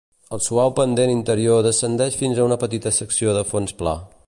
El suau pendent interior descendeix fins a una petita secció de fons pla.